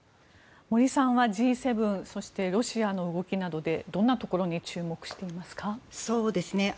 森さんはＧ７そしてロシアの動きなどでどんなところに注目していますか？